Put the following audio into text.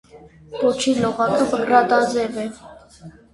Պոչի լողակը մկրատաձև է։